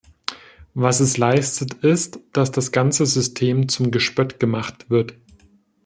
Was es leistet, ist, dass das ganze System zum Gespött gemacht wird.